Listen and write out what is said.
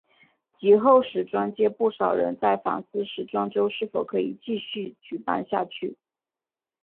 及后时装界不少人在反思时装周是否可以继续举办下去。